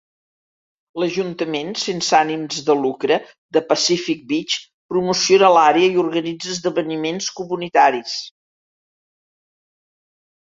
L'ajuntament sense ànims de lucre de Pacific Beach promociona l'àrea i organitza esdeveniments comunitaris.